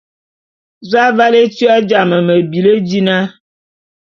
Za aval étua jame me bili dina?